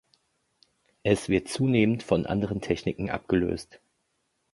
Es wird zunehmend von anderen Techniken abgelöst.